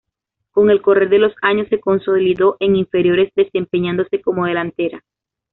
Con el correr de los años, se consolidó en inferiores desempeñándose como delantera.